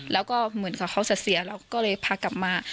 แล้วก็เหมือนกับเขาจะเสียเราก็เลยพากลับมา